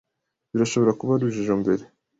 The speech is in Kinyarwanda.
Birashobora kuba urujijo mbere.